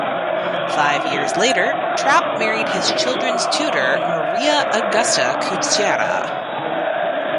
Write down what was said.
Five years later, Trapp married his children's tutor Maria Augusta Kutschera.